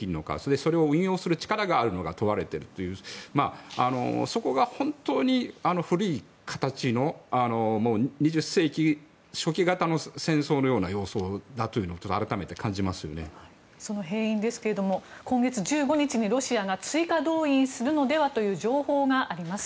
それを運用できる力があるのか問われているというそこが、本当に古い形の２０世紀初期型の戦争のような様相というのをその兵員ですけれども今月１５日にロシアが追加動員するのではという情報があります。